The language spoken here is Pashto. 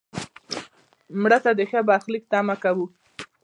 مړه ته د ښه برخلیک تمه کوو